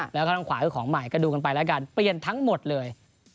แล้วก็ทางขวาคือของใหม่ก็ดูกันไปแล้วกันเปลี่ยนทั้งหมดเลย